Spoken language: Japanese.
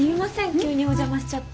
急にお邪魔しちゃって。